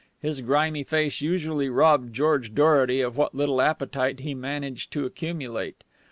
His grimy face usually robbed George Dorety of what little appetite he managed to accumulate.